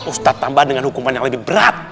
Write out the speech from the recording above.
ustadz tambah dengan hukuman yang lebih berat